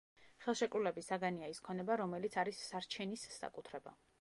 ხელშეკრულების საგანია ის ქონება, რომელიც არის სარჩენის საკუთრება.